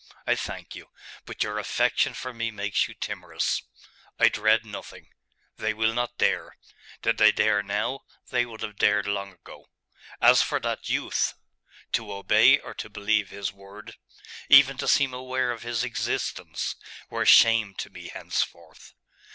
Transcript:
I thank you: but your affection for me makes you timorous. I dread nothing. They will not dare. Did they dare now, they would have dared long ago. As for that youth to obey or to believe his word, even to seem aware of his existence, were shame to me henceforth.